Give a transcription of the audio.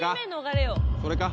それか？